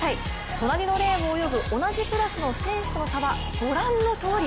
隣のレーンを泳ぐ同じクラスの選手との差はご覧のとおり。